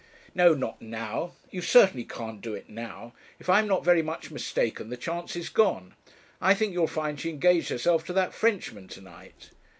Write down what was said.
'No, not now; you certainly can't do it now. If I am not very much mistaken, the chance is gone. I think you'll find she engaged herself to that Frenchman to night.'